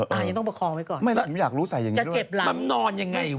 ท่านยังต้องประคองไว้ก่อนจะเจ็บหนัง